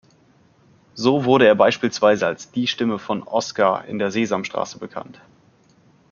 So wurde er beispielsweise als die Stimme von "Oskar" in der "Sesamstraße" bekannt.